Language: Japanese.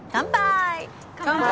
乾杯。